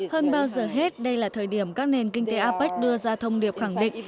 hơn bao giờ hết đây là thời điểm các nền kinh tế apec đưa ra thông điệp khẳng định